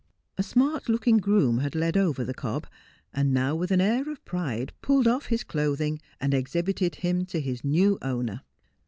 A smart looking groom had led over the cob, and now with an air of pride pulled off his clothing and exhibited him to his new owner.